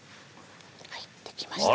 はいできました！